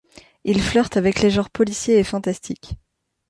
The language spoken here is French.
Il flirte avec les genres policier et fantastique.